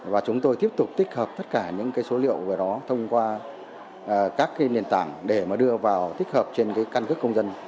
và chúng tôi tiếp tục tích hợp tất cả những số liệu về đó thông qua các nền tảng để mà đưa vào tích hợp trên cái căn cước công dân